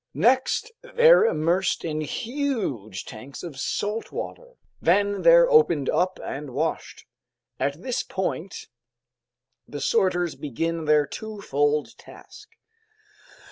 Next they're immersed in huge tanks of salt water, then they're opened up and washed. At this point the sorters begin their twofold task.